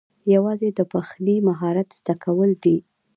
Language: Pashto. یوازې د پخلي مهارت زده کول دي